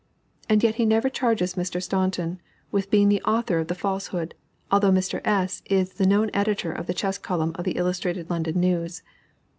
And yet he never charges Mr. Staunton with being the author of the falsehood, although Mr. S. is the known editor of the chess column of the Illustrated London News.